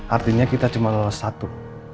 artinya kita cuma satu